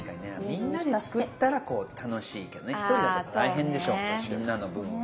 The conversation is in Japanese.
みんなで作ったらこう楽しいけどね１人だと大変でしょみんなの分もね。